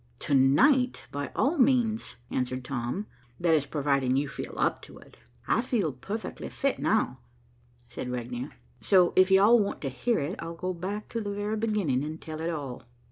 "To night, by all means," answered Tom. "That is, providing you feel up to it." "I feel perfectly fit now," said Regnier, "so if you all want to hear it, I'll go back to the very beginning and tell it all."